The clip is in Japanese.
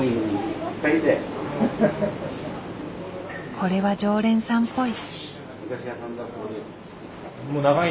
これは常連さんっぽい。